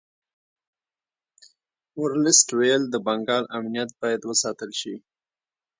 ورلسټ ویل د بنګال امنیت باید وساتل شي.